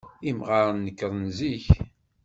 Imɣaren nekkren zik.